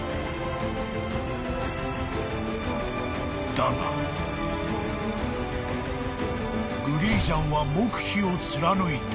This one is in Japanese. ［だがグゲイジャンは黙秘を貫いた］